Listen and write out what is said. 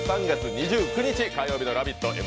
３月２９日、火曜日の「ラヴィット！」